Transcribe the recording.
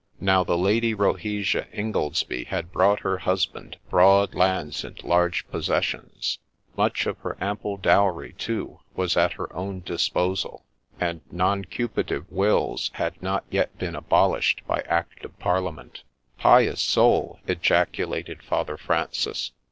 Now the Lady Rohesia Ingoldsby had brought her husband broad lands and large possessions ; much of her ample dowry, too, was at her own disposal ; and nuncupative wills had not yet been abolished by Act of Parliament. ' Pious soul 1 ' ejaculated Father Francis.